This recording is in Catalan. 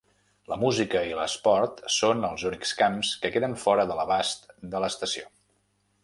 La música i l'esport són els únics camps que queden fora de l'abast de l'estació.